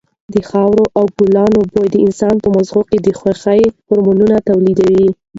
د خاورې او ګلانو بوی د انسان په مغز کې د خوښۍ هارمونونه تولیدوي.